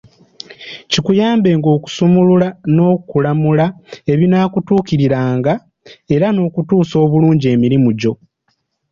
Kikuyambenga okusumulula n'okulamula ebinaakutukiriranga, era n'okutuusa obulungi emirimu gyo.